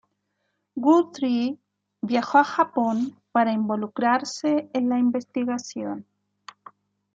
Guthrie viajó a Japón para involucrarse en la investigación.